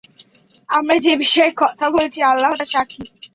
আমরা যে বিষয়ে কথা বলছি আল্লাহ তার সাক্ষী।